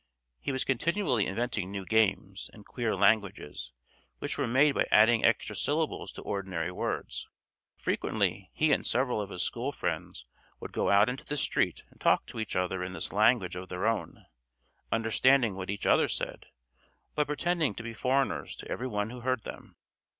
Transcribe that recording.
He was continually inventing new games, and queer languages, which were made by adding extra syllables to ordinary words. Frequently he and several of his school friends would go out into the street and talk to each other in this language of their own, understanding what each other said, but pretending to be foreigners to every one who heard them.